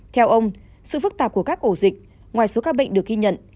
theo ông sự phức tạp của các ổ dịch ngoài số ca bệnh được ghi nhận